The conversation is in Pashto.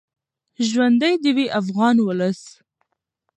ژوندی دې وي افغان ولس.